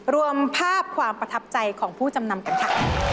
รวมภาพความประทับใจของผู้จำนำกันค่ะ